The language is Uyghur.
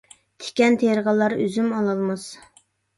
تىكەن تېرىغانلار ئۈزۈم ئالالماس.